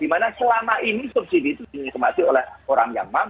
dimana selama ini subsidi itu dinikmati oleh orang yang mampu